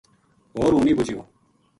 ہو ر ہوں نی بُجیو